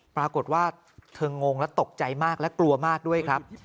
ปรากฏว่าเธองงและตกใจมากและกลัวมากด้วยครับ